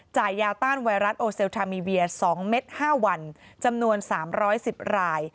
ยาต้านไวรัสโอเซลทามีเวีย๒เม็ด๕วันจำนวน๓๑๐ราย